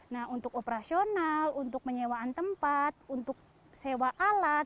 nah untuk operasional untuk menyewaan tempat untuk sewa alat